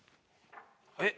えっ？